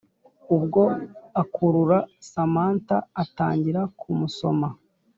ubwo akurura samantha atangira kumusoma